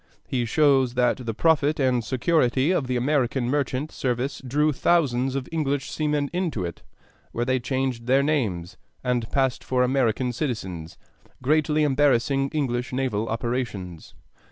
He shows that the profit and security of the American merchant service drew thousands of English seamen into it, where they changed their names and passed for American citizens, greatly embarrassing English naval operations.